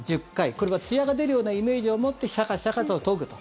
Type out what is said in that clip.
これはつやが出るようなイメージを持ってシャカシャカと研ぐと。